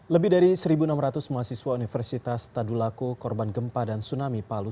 lebih dari satu enam ratus mahasiswa universitas tadulako korban gempa dan tsunami palu